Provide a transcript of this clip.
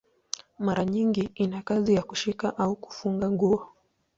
Mara nyingi ina kazi ya kushika au kufunga nguo.